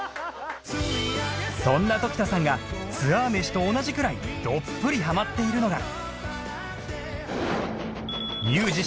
そんな常田さんがツアー飯と同じくらいどっぷりハマっているのが